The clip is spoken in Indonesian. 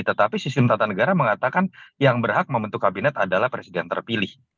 tetapi sistem tata negara mengatakan yang berhak membentuk kabinet adalah presiden terpilih